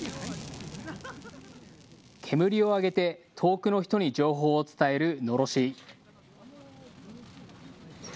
煙を上げて遠くの人に情報を伝えるのろし。